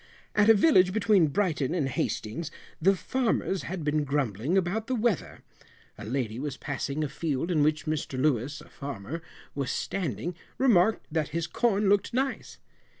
At a village between Brighton and Hastings, the farmers had been grumbling about the weather. A lady was passing a field in which Mr Louis, a farmer, was standing, remarked that his corn looked nice.